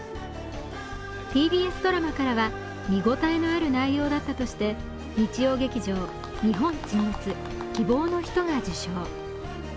ＴＢＳドラマからは見応えのある内容だったとして日曜劇場「日本沈没−希望のひと−」が受賞。